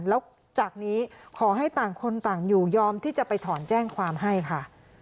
แล้วจากนี้ขอให้ต่างคนต่างอยู่ยอมที่จะไปถอนแจ้งความให้ค่ะ